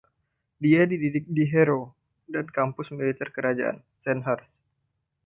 Dia dididik di Harrow dan Kampus Militer Kerajaan, Sandhurst.